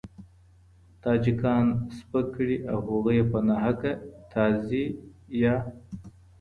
تاجکان سپک کړي او هغوی یې په ناحقه "تازي" یا